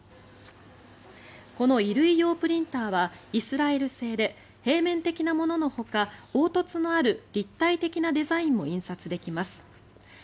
この衣類用プリンターはイスラエル製で平面的なもののほか凹凸のある立体的なデザインも印刷できます。